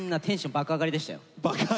爆上がりでしたよ！